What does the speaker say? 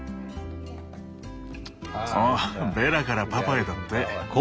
おっ「ベラからパパへ」だって。